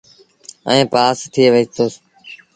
ائيٚݩ پآس ٿئي وهيٚتوس۔